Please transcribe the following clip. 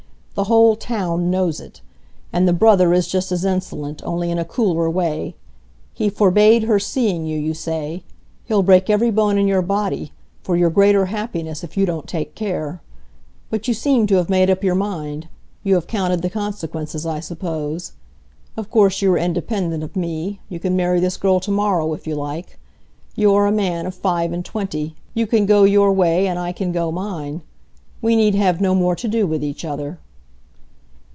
The whole town knows it. And the brother is just as insolent, only in a cooler way. He forbade her seeing you, you say; he'll break every bone in your body, for your greater happiness, if you don't take care. But you seem to have made up your mind; you have counted the consequences, I suppose. Of course you are independent of me; you can marry this girl to morrow, if you like; you are a man of five and twenty,—you can go your way, and I can go mine. We need have no more to do with each other."